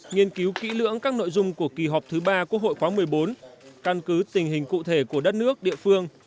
nghiên cứu kỹ lưỡng các nội dung của kỳ họp thứ ba quốc hội khóa một mươi bốn căn cứ tình hình cụ thể của đất nước địa phương